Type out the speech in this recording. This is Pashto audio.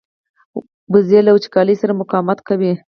وزې له وچکالۍ سره مقاومت کوي